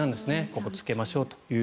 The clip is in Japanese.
ここつけましょうと。